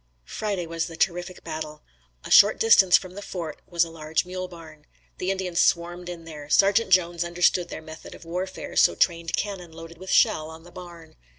Friday was the terrific battle. A short distance from the fort was a large mule barn. The Indians swarmed in there. Sergeant Jones understood their method of warfare, so trained cannon loaded with shell on the barn.